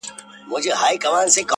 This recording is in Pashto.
پر اوږو د اوښكو ووته له ښاره-